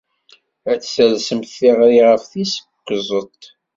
Ad d-talsemt tiɣri ɣef tis kuẓet.